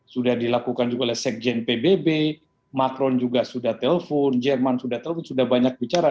sudah dilakukan oleh sekjen pbb macron juga sudah telepon jerman sudah banyak bicara